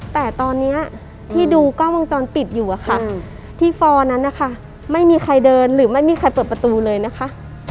แต่ตอนนี้ที่ดูกล้องวงจรปิดอยู่อะค่ะที่ฟอร์นั้นนะคะไม่มีใครเดินหรือไม่มีใครเปิดประตูเลยนะคะ